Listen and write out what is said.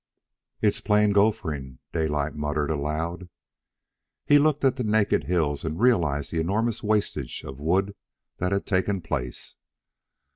"It all's plain gophering," Daylight muttered aloud. He looked at the naked hills and realized the enormous wastage of wood that had taken place.